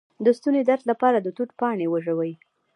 د ستوني درد لپاره د توت پاڼې وژويئ